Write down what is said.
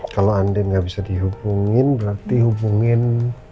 kalau anda nggak bisa dihubungin berarti hubungin